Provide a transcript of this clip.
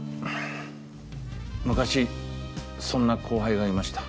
昔そんな後輩がいました。